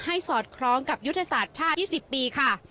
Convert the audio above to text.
สอดคล้องกับยุทธศาสตร์ชาติ๒๐ปีค่ะ